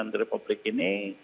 dan masyarakat juga merindukannya